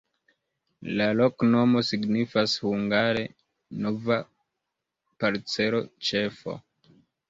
La loknomo signifas hungare: nova-parcelo-ĉefo.